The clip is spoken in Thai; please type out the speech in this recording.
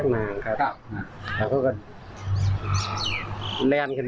ข้างบนไม่มีครับ